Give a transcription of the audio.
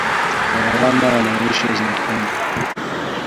Gharama ya maisha zimepanda